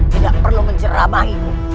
tidak perlu menceramahimu